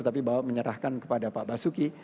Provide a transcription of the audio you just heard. tapi bahwa menyerahkan kepada pak basuki